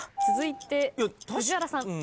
続いて藤原さん。